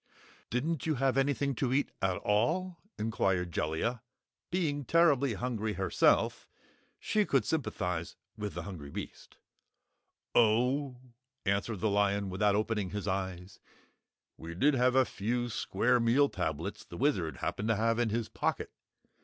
"Didn't you have anything to eat, at all?" inquired Jellia. Being terribly hungry herself, she could sympathize with the hungry beast. "Oh," answered the lion without opening his eyes, "we did have a few square meal tablets the Wizard happened to have in his pocket.